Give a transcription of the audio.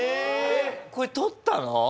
これ取ったの？